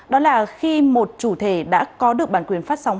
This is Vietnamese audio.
đó là khi một chủ thể đã có được bản quyền phát sóng